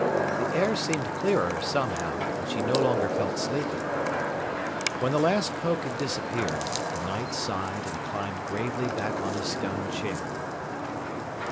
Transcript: The air seemed clearer somehow, and she no longer felt sleepy. When the last Poke had disappeared, the Knight sighed and climbed gravely back on his stone chair.